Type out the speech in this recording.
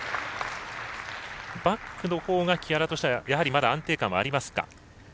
バックの方が木原としてはやはりまだ安定感はありますか。